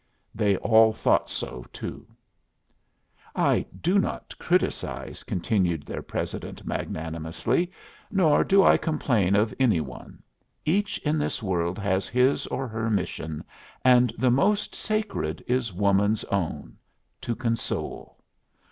They all thought so too. "I do not criticise," continued their president, magnanimously, "nor do I complain of any one. Each in this world has his or her mission, and the most sacred is Woman's own to console!"